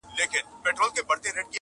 چي په ښكلي وه باغونه د انګورو،